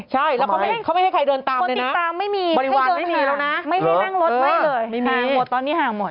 ใช่แล้วเขาไม่ให้ใครเดินตามเลยนะบริวารไม่มีแล้วนะไม่ให้นั่งรถให้เลยห่างหมดตอนนี้ห่างหมด